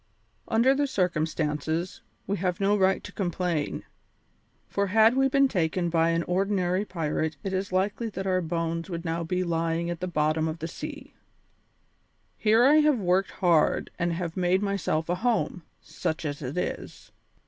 Under the circumstances, we have no right to complain, for had we been taken by an ordinary pirate it is likely that our bones would now be lying at the bottom of the ocean. "Here I have worked hard and have made myself a home, such as it is.